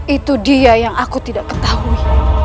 itu dia yang aku tidak ketahui